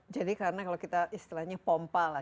jadi karena kalau kita istilahnya pompa lah